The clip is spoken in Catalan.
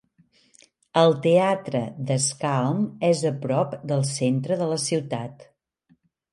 El teatre De Schalm és a prop del centre de la ciutat.